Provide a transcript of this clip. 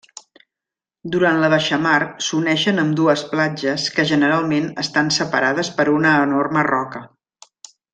Durant la baixamar s'uneixen ambdues platges que generalment estan separades per una enorme roca.